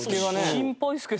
心配ですけど。